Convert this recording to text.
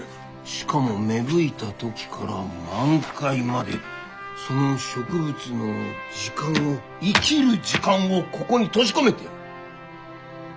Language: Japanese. しかも芽吹いた時から満開までその植物の時間を生きる時間をここに閉じ込めてる！